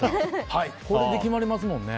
これで決まりますもんね。